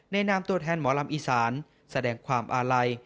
นามตัวแทนหมอลำอีสานแสดงความอาลัย